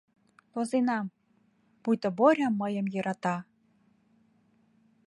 Возенам, пуйто Боря мыйым йӧрата.